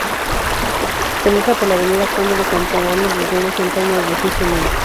Penetra por la avenida Conde de Campomanes desviándose en torno al edificio núm.